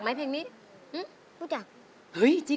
มึงรู้จัก